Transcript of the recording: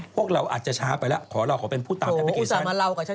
พวกเราอาจจะช้าไปแล้วขอเราก็เป็นผู้ตามแอปพลิเคชั่น